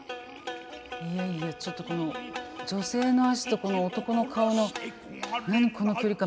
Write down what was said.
いやいやちょっとこの女性の足とこの男の顔の何この距離感。